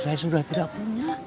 saya sudah tidak punya